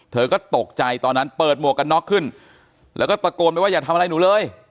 เธอก็ตกใจตอนนั้นเปิดหมวกกันน็อกขึ้นแล้วก็ตะโกนไปว่าอย่าทำอะไรหนูเลย